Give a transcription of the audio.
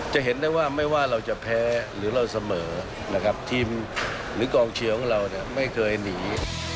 จะเห็นได้ว่าไม่ว่าเราจะแพ้หรือเราเสมอนะครับทีมหรือกองเชียร์ของเราเนี่ยไม่เคยหนี